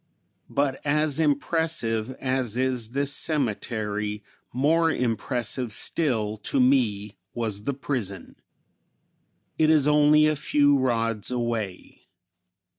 But as impressive as is this cemetery, more impressive still to me was the prison. It is only a few rods away.